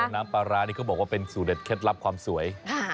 น้ำปลาร้านี่เขาบอกว่าเป็นสูตรเด็ดเคล็ดลับความสวย